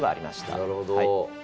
なるほど。